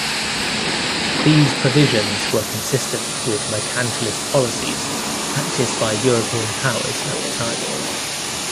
These provisions were consistent with mercantilist policies practice by European powers at the time.